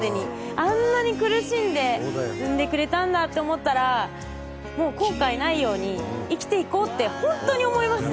あんなに苦しんで産んでくれたんだって思ったらもう後悔ないように生きていこうって本当に思いますね。